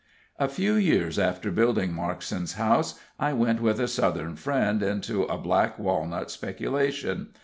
A few years after building Markson's house, I went with a Southern friend into a black walnut speculation.